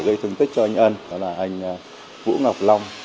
gây thương tích cho anh ân đó là anh vũ ngọc long